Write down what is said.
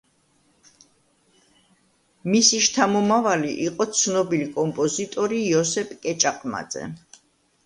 მისი შთამომავალი იყო ცნობილი კომპოზიტორი იოსებ კეჭაყმაძე.